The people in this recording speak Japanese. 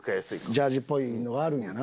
ジャージーっぽいのがあるんやな。